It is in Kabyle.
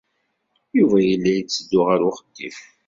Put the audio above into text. Yuba yella yetteddu ɣer uxeddim.